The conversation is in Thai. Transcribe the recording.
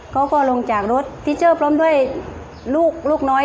เขาก็ลงจากรถที่เจอพร้อมด้วยลูกน้อย